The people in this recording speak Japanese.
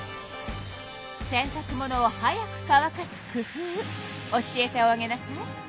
洗たく物を早く乾かす工夫教えておあげなさい。